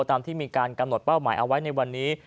ตามที่มีการกำหนดเป้าหมายเอาไว้ในวันนี้